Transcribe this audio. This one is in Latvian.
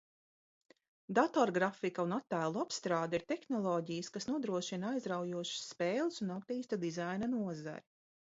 Datorgrafika un attēlu apstrāde ir tehnoloģijas, kas nodrošina aizraujošas spēles un attīsta dizaina nozari.